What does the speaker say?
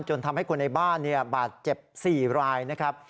จนทำให้คนในบ้านบาดเจ็บ๔รายนะครับ